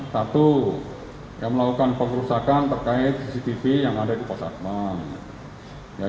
satu yang melakukan perusahaan terkait cctv yang ada di pasar taman